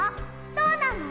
どうなの？